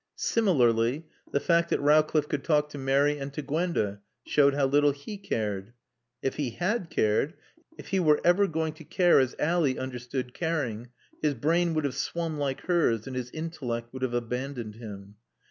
Similarly, the fact that Rowcliffe could talk to Mary and to Gwenda showed how little he cared. If he had cared, if he were ever going to care as Ally understood caring, his brain would have swum like hers and his intellect would have abandoned him.